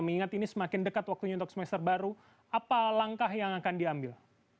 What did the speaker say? mengingat ini semakin dekat waktunya untuk semester baru apa langkah yang akan diambil